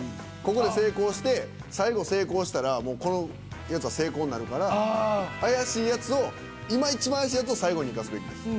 ここで成功して最後成功したらもうこのやつは成功になるから怪しいやつを今いちばん怪しいやつを最後にいかすべきです。